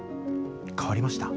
変わりました？